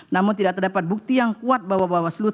namun tidak terdapat bukti yang kuat bahwa bawaslu